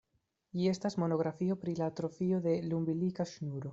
Ĝi estas monografio pri la atrofio de l' umbilika ŝnuro.